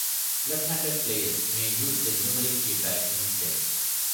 Left-handed players may use the numeric keypad instead.